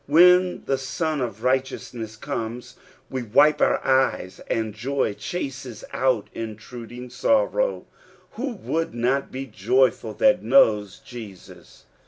When the Bun ' Righteousness comes, we wipe our eyes, and joy chases out intruding sorrc Who would not be joyful that knows Jesus